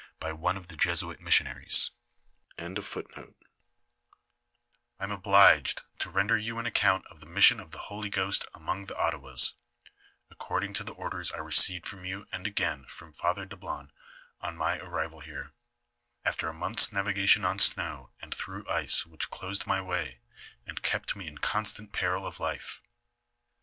f '' I am obliged to render you an account of the mission of the Holy Ghost among the Ottawas, according to the orders I received from you and again from Father Dablon on my arri val here, after a month's navigation on snow and through ice which closed my way, and kept me in constant peril of life.